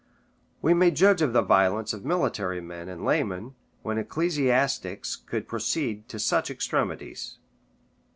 We may judge of the violence of military men and laymen, when ecclesiastics could proceed to such extremities.